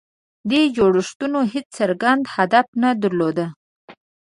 دې جوړښتونو هېڅ څرګند هدف نه درلود.